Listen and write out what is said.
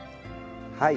はい。